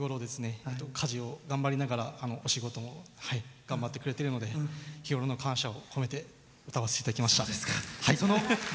家事もお仕事も頑張ってくれてるので日頃の感謝を込めて歌わせていただきました。